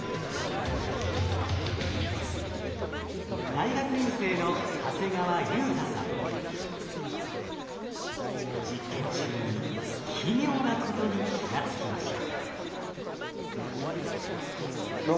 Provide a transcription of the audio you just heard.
大学院生の実験中に奇妙なことに気が付きました。